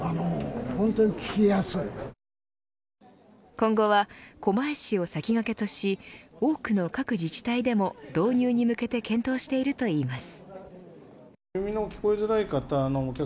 今後は狛江市を先駆けとし多くの各自治体でも導入に向けて検討しているといいます。